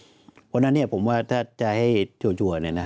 เพราะฉะนั้นเนี่ยผมว่าถ้าจะให้จัวเนี่ยนะ